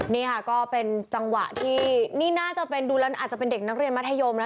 นี่ค่ะก็เป็นจังหวะที่นี่น่าจะเป็นดูแล้วอาจจะเป็นเด็กนักเรียนมัธยมนะ